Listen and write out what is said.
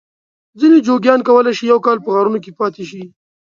ځینې جوګیان کولای شي یو کال په غارونو کې پاته شي.